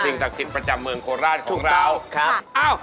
สิ่งศักดิ์สิทธิ์ประจำเมืองโรนราชของเรา